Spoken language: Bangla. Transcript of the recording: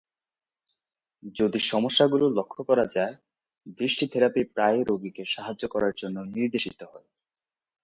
যদি সমস্যাগুলি লক্ষ্য করা যায়, দৃষ্টি থেরাপি প্রায়ই রোগীকে সাহায্য করার জন্য নির্দেশিত হয়।